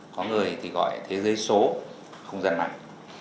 có người thì gọi thế giới số không gian mạng